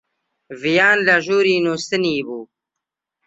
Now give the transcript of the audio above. ڤیان لە ژووری نووستنی بوو.